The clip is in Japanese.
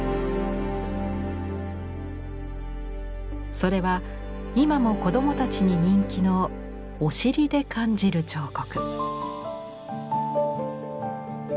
それは今も子どもたちに人気の「お尻で感じる彫刻」。